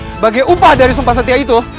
sebagai upah dari sumpah setia itu